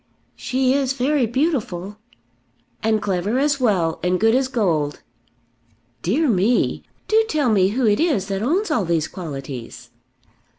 "She is very beautiful." "And clever as well, and good as gold." "Dear me! Do tell me who it is that owns all these qualities."